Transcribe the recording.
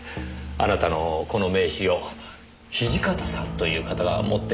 あなたのこの名刺を土方さんという方が持っていたのですが。